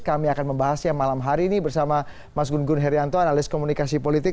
kami akan membahasnya malam hari ini bersama mas gun gun herianto analis komunikasi politik